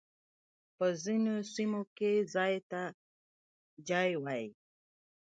په ځينو سيمو کي ځای ته جای وايي.